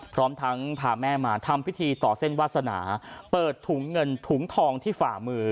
พร้อมทั้งพาแม่มาทำพิธีต่อเส้นวาสนาเปิดถุงเงินถุงทองที่ฝ่ามือ